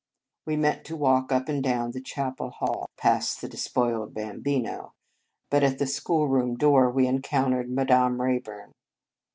We meant to walk up and down the chapel hall (past the de 84 In Retreat spoiled Bambino), but at the school rdom door we encountered Madame Rayburn.